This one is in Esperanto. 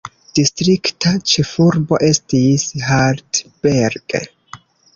Distrikta ĉefurbo estis Hartberg.